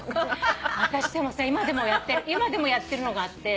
私でもさ今でもやってるのがあって